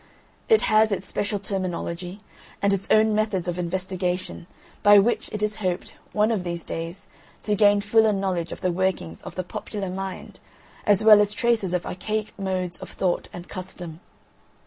It has its special terminology, and its own methods of investigation, by which it is hoped, one of these days, to gain fuller knowledge of the workings of the popular mind as well as traces of archaic modes of thought and custom.